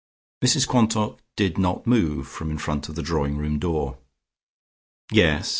Mrs Quantock did not move from in front of the drawing room door. "Yes?"